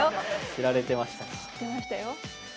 知ってましたよ。